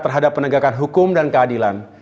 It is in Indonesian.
terhadap penegakan hukum dan keadilan